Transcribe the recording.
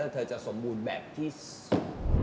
เธอจะสมบูรณ์แบบที่สุด